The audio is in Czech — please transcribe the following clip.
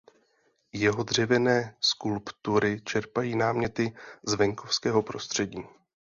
Jeho dřevěné skulptury čerpají náměty z venkovského prostředí.